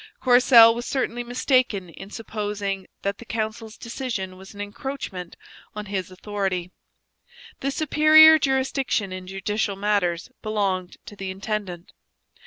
Courcelle was certainly mistaken in supposing that the council's decision was an encroachment on his authority. The superior jurisdiction in judicial matters belonged to the intendant.